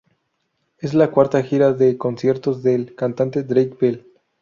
Es la cuarta gira de conciertos del cantante Drake Bell.